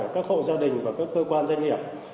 các hộ gia đình và các cơ quan doanh nghiệp